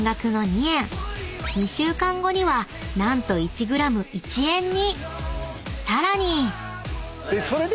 ［２週間後には何と１ｇ１円に］